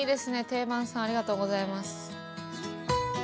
定番さんありがとうございます。